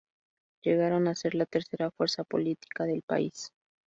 Llegaron a ser la tercera fuerza política del país.